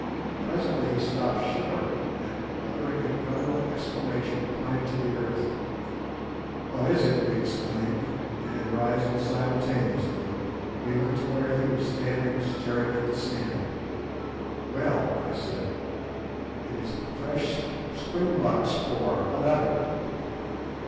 Presently he stopped short, and uttering a guttural exclamation, pointed to the earth. "What is it?" we exclaimed; and rising simultaneously we went to where he was standing staring at the sand. "Well," I said, "it is fresh Springbok spoor; what of it?"